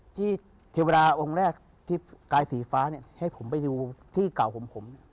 ที่เทวาราวงศ์แรกที่กายสีฟ้าให้ผมไปดูที่เก่าผม